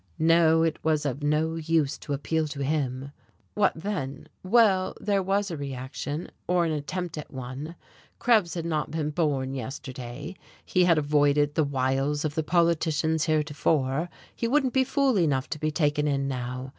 No, it was of no use to appeal to him. What then? Well, there was a reaction, or an attempt at one. Krebs had not been born yesterday, he had avoided the wiles of the politicians heretofore, he wouldn't be fool enough to be taken in now.